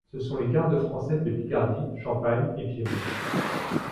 Ce sont les gardes-françaises de Picardie, Champagne et Piémont.